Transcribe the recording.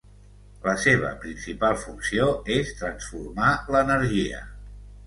la seva principal funció és transformar l'energia